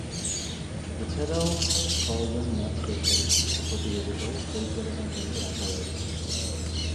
এছাড়াও, ছয়জন match referee এ প্রতিযোগিতা পরিচালনার জন্যে রাখা হয়েছে।